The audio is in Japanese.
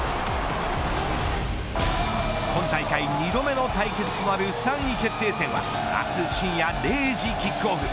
今大会２度目の対決となる３位決定戦は明日深夜０時キックオフ。